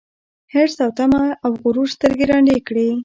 حرص او تمه او غرور سترګي ړندې کړي